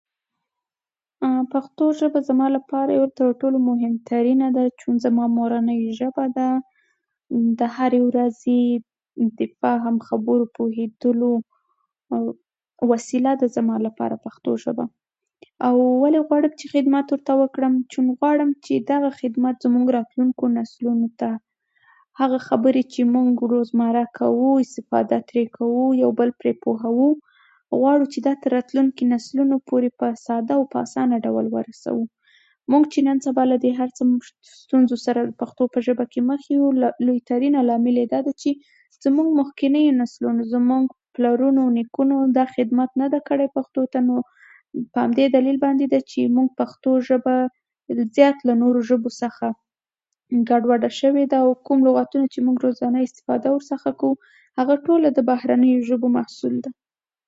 پښتو ژبه زما لپاره یو تر ټولو مهمه ترينه ده، چون زما مورنۍ ژبه ده. د هرې ورځې د فهم، خبرو کولو وسیله او وسیله ده زما لپاره پښتو ژبه. او ولې غواړم خدمت ورته وکړم؟ چون غواړم چې دغه خدمت زموږ راتلونکو نسلونو ته، هغه خبرې چې موږ روزمره کوو، استفاده ترې کوو، یو بل پرې پوهوو، غواړو چې دا تر راتلونکو نسلونو پورې په ساده او اسانه ډول ورسوو. موږ چې نن سبا له دې هر څه سره په پښتو ژبه کې مخ یو، لویترینه لامل یې دا ده چې زموږ مخکينینو نسلونو، زموږ پلرونو او نیکونو، دا خدمت نه دی کړی پښتو ته. نو په همدې دلیل باندې ده چې پښتو ژبه زیات له نورو ژبو څخه ګډوډه شوې ده، او کوم لغاتونه چې موږ روزانه استفاده ورڅخه کوو، هغه ټوله د بهرنیو ژبو محصول ده.